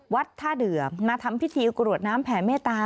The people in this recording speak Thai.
วัดท่าเดือมาทำพิธีกรวดน้ำแผ่เมตตา